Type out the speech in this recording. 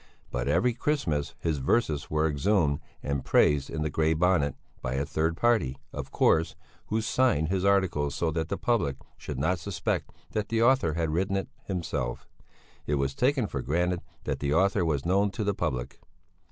But every Christmas his verses were exhumed and praised in the Grey Bonnet, by a third party, of course, who signed his article so that the public should not suspect that the author had written it himself it was taken for granted that the author was known to the public.